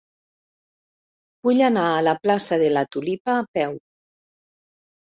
Vull anar a la plaça de la Tulipa a peu.